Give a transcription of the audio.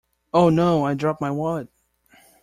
Oh No! I dropped my wallet!.